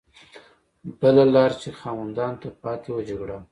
بله لار چې خاوندانو ته پاتې وه جګړه وه.